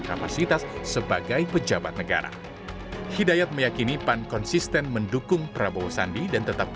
kapasitas sebagai pejabat negara hidayat meyakini pan konsisten mendukung prabowo sandi dan tetap